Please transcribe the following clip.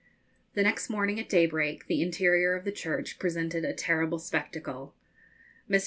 The next morning at daybreak, the interior of the church presented a terrible spectacle. Mr.